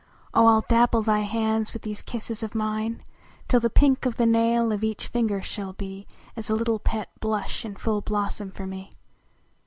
O I ll dapple thy hands with these kisses of mine Till the pink of the nail of each finder shall he As a little pet blush in full blossom for me.